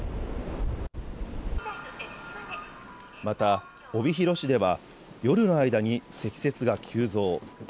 また、帯広市では夜の間に積雪が急増。